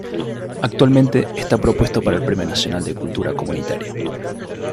Actualmente está propuesto para el Premio Nacional de Cultura Comunitaria.